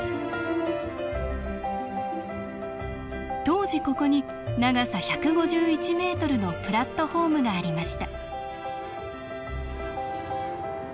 当時ここに長さ１５１メートルのプラットホームがありました